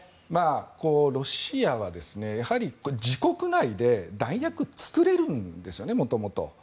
ロシアは自国内で弾薬を作れるんですよね、元々。